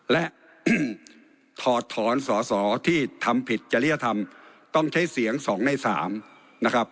และถอดถอนสอสอที่ทำผิดจริยธรรมต้องใช้เสียง๒ใน๓นะครับ